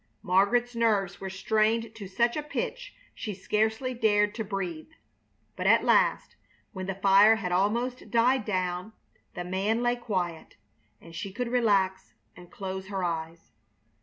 Margaret's nerves were strained to such a pitch she scarcely dared to breathe, but at last, when the fire had almost died down, the man lay quiet, and she could relax and close her eyes.